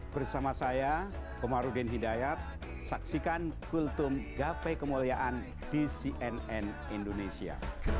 bersama saya komarudin hidayat saksikan kultum gapai kemuliaan di cnn indonesia